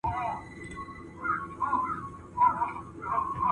ډاکټران کولی شي ژورې برخې معاینه کړي.